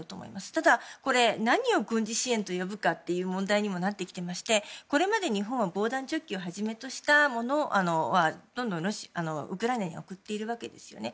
ただ、何を軍事支援と呼ぶかという問題にもなってきていましてこれまで日本は防弾チョッキをはじめとしたものはどんどんウクライナに送っているわけですね。